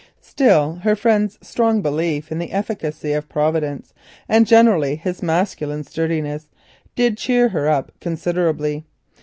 Still her friend's strong belief in the efficacy of Providence, and generally his masculine sturdiness, did cheer her up considerably.